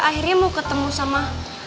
akhirnya mau ketemu sama